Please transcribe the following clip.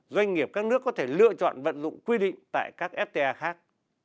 doanh nghiệp các nước có thể lựa chọn vận dụng quy định tại các fta khác